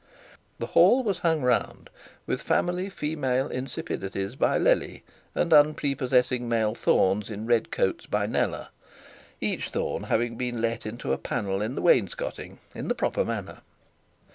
The hall was hung round with family female insipidities by Lely, and unprepossessing male Thornes in red coats by Kneller; each Thorne having been let into a panel in the wainscoting in the proper manner.